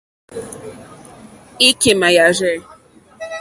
Ìkémà yàrzɛ̂.